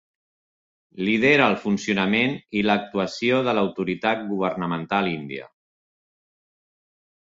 Lidera el funcionament i l'actuació de l'autoritat governamental índia.